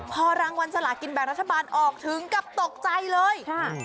พอรางวัลสลากินแบ่งรัฐบาลออกถึงกับตกใจเลยค่ะ